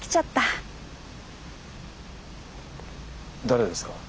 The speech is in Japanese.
誰ですか？